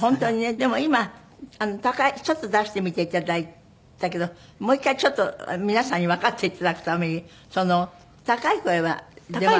でも今高いちょっと出してみていただいたけどもう一回ちょっと皆さんにわかっていただくために高い声は出ます？